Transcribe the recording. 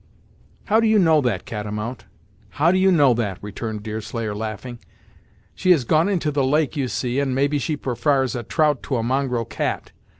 "How do you know that, Catamount? how do you know that?" returned Deerslayer laughing. "She has gone into the lake, you see, and maybe she prefars a trout to a mongrel cat.